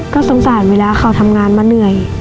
ก็สงสารเวลาเขาทำงานมาเหนื่อย